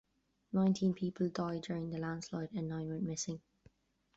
Nineteen people died during the landslide and nine went missing.